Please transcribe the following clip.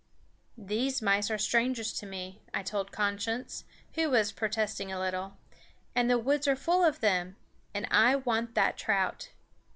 "These mice are strangers to me," I told Conscience, who was protesting a little, "and the woods are full of them, and I want that trout."